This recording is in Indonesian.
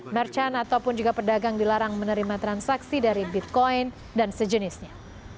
merchant ataupun juga pedagang dilarang menerima transaksi dari bitcoin dan sejenisnya